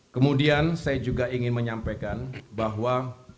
kemudian saya juga ingin menyampaikan bahwa